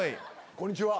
こんにちは。